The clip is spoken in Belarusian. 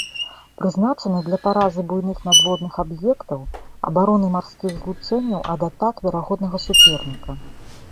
Прызначаны для паразы буйных надводных аб'ектаў, абароны марскіх злучэнняў ад атак верагоднага суперніка.